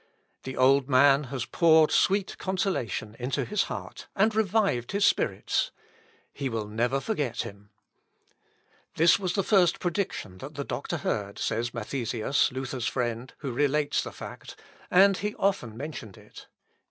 The old man has poured sweet consolation into his heart and revived his spirits; he will never forget him. "This was the first prediction the Doctor heard," says Mathesius, Luther's friend, who relates the fact; "and he often mentioned it."